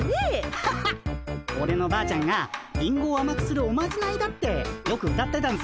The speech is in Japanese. アハハッオレのばあちゃんがリンゴをあまくするおまじないだってよく歌ってたんすよね。